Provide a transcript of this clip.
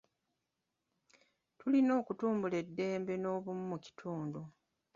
Tulina okutumbula eddembe n'obumu mu kitundu.